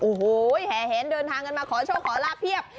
โอ้โหแห่แหนเดินทางกันมาขอโชคขอลาบเพียบ